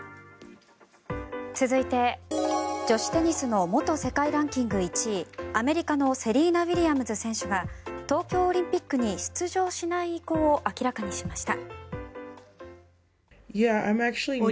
続いて、女子テニスの元世界ランキング１位アメリカのセリーナ・ウィリアムズ選手が東京オリンピックに出場しない意向を明らかにしました。